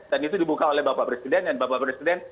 dan itu dibuka oleh bapak presiden dan bapak presiden